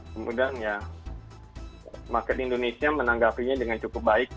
kemudian ya market indonesia menanggapinya dengan cukup baik